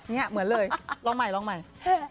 เนี่ยเหมือนเลยร้องใหม่